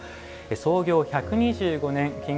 創業１２５年金